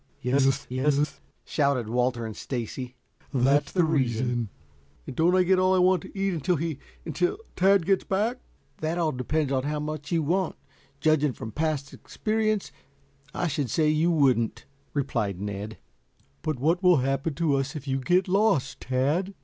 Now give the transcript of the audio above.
"Yes, yes," shouted Walter and Stacy, "that's the reason." "And don't I get all I want to eat until he he until Tad gets back?" "That depends upon how much you want. Judging from past experience, I should say you wouldn't," replied Ned. "But what will happen to us if you get lost, Tad?"